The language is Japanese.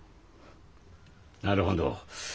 なるほど。